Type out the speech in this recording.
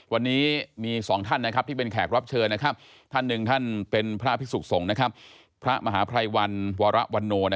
วันนี้มีสองท่านนะครับที่เป็นแขกรับเชิญนะครับท่านหนึ่งท่านเป็นพระพิษุกษงพระมหาภรรยวรเวราะวะโน้